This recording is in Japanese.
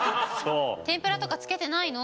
天ぷらとかつけてないの？